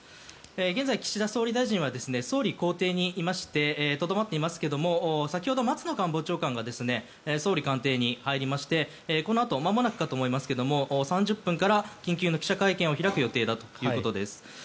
現在、岸田総理大臣は総理公邸にいましてとどまっていますが先ほど松野官房長官が総理官邸に入りましてこのあとまもなくかと思いますが３０分から緊急の記者会見を開く予定だということです。